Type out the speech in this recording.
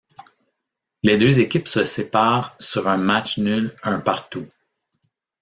Les deux équipes se séparent sur un match nul un partout.